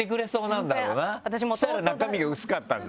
そしたら中身が薄かったんだ。